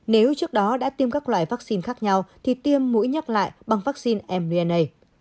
nếu trước đó đã tiêm các loại vaccine khác nhau thì tiêm mũi nhắc lại bằng vaccine mnna